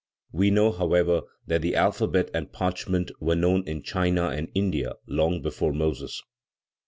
We know, however, that the alphabet and parchment were known in China and India long before Moses.